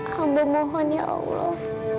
hamba mohon ya allah